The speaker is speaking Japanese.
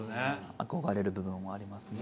憧れる部分はありますね。